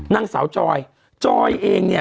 นางสาวจอยจอยเองเนี่ย